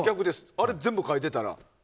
あれ全部変えてたら。